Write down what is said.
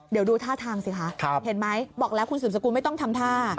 เดี๋ยวดูท่าทางสิคะเห็นไหมบอกแล้วคุณสืบสกุลไม่ต้องทำท่า